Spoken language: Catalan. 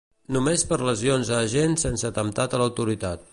Només per lesions a agents sense atemptat a l'autoritat.